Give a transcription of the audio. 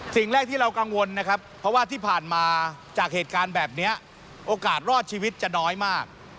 สิ่งแรกที่เรากังวลนะครับเพราะว่าที่ผ่านมาจากเหตุการณ์แบบนี้โอกาสรอดชีวิตจะน้อยมาก